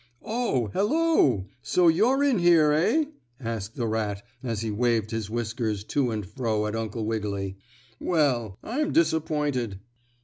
"Oh, hello! So you're in here, eh?" asked the rat as he waved his whiskers to and fro at Uncle Wiggily. "Well, I'm disappointed."